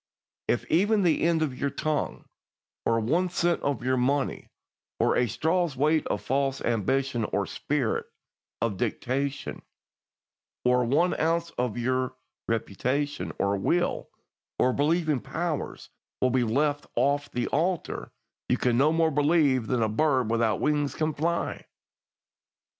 If even the end of your tongue, or one cent of your money, or a straw's weight of false ambition, or spirit of dictation, or one ounce of your reputation, or will, or believing powers be left off the altar, you can no more believe than a bird without wings can fly.